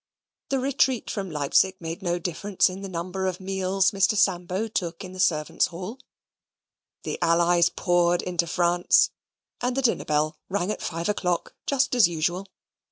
The retreat from Leipsic made no difference in the number of meals Mr. Sambo took in the servants' hall; the allies poured into France, and the dinner bell rang at five o'clock just as usual.